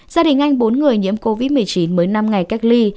gia đình anh bốn người nhiễm covid một mươi chín mới năm ngày cách ly